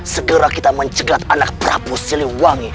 segera kita mencegat anak prabu siliwangi